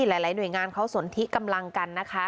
หลายหน่วยงานเขาสนทิกำลังกันนะคะ